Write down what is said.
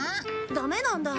ダメなんだ。